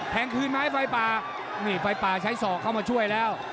แผงคืนมาให้ไฟป่านี่ไฟป่าใช้ส่อเข้ามาช่วยแล้ว